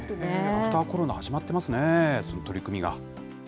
アフターコロナ始まっていますね、その取り組みが。